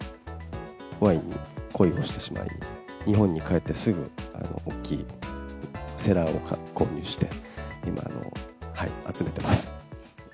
ワインに恋をしてしまい、日本に帰ってすぐ、大きいセラーを購入して、今、集めてます。